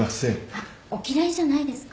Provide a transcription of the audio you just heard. あっお嫌いじゃないですか？